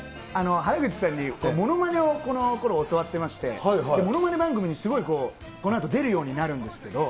原口さんにものまねをこのころ教わってまして、ものまね番組に、すごいこのあと出るようになるんですけど。